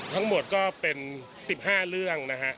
ทั้งหมดก็เป็น๑๕เรื่องนะฮะ